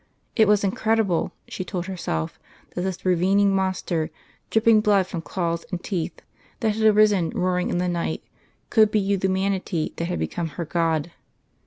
It was incredible, she told herself, that this ravening monster, dripping blood from claws and teeth, that had arisen roaring in the night, could be the Humanity that had become her God.